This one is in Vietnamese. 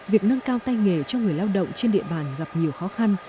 việc nâng cao tay nghề cho người lao động trên địa bàn gặp nhiều khó khăn